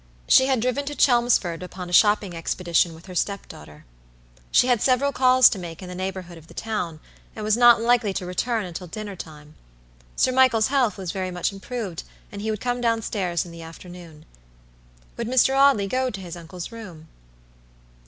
She had driven to Chelmsford upon a shopping expedition with her step daughter. She had several calls to make in the neighborhood of the town, and was not likely to return until dinner time. Sir Michael's health was very much improved, and he would come down stairs in the afternoon. Would Mr. Audley go to his uncle's room?